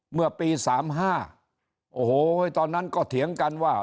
เมื่อปี๓๕โอ้โหตอนนั้นก็เถียงกันว่า